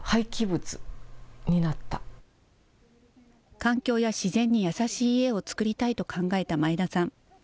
環境や自然に優しい家を作りたいと考えた前田さん。